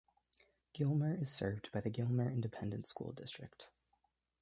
Gilmer is served by the Gilmer Independent School District.